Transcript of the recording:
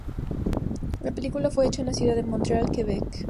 La película fue hecha en la ciudad de Montreal, Quebec.